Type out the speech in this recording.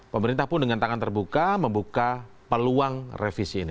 pemerintah pun dengan tangan terbuka membuka peluang revisi ini